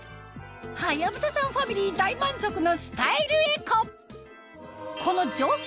はやぶささんファミリー大満足のスタイルエコ